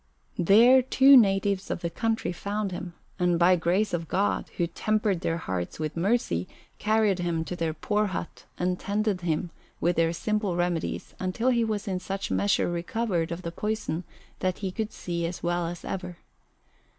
There two natives of the country found him, and by grace of God, who tempered their hearts with mercy, carried him to their poor hut and tended him with their simple remedies until he was in such measure recovered of the poison that he could see as well as ever.